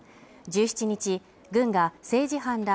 １７日軍が政治犯ら